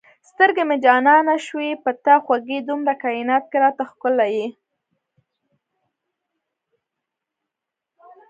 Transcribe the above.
سترګې مې جانانه شوې په تا خوږې دومره کاینات کې را ته ښکلی یې